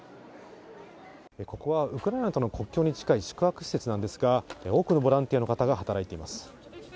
ここはウクライナとの国境に近い宿泊施設なんですが、多くのボランティアの方が働いています。